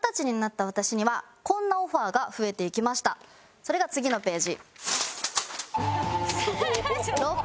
それが次のページ。